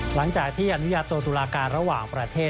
หลังจากที่อนุญาโตตุลาการระหว่างประเทศ